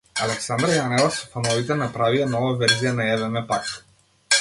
Александра Јанева со фановите направија нова верзија на „Еве ме пак“